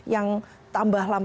yang tambah lama